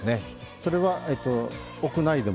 それは屋内でも？